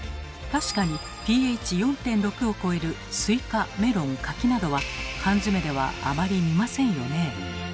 確かにｐＨ４．６を超えるスイカメロン柿などは缶詰ではあまり見ませんよね。